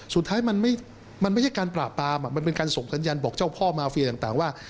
สุดท้ายมันไม่ใช่การปราบปรามมันเป็นการส่งสัญญาณบอกเจ้าพ่อมาเฟียต่างว่า